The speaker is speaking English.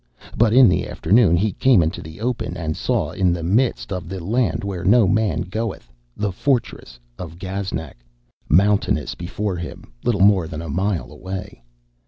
But in the afternoon he came into the open and saw in the midst of The Land Where No Man Goeth the fortress of Gaznak, mountainous before him, little more than a mile away.